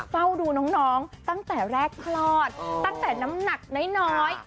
เฝ้าดูน้องตั้งแต่แรกคลอดตั้งแต่น้ำหนักน้อย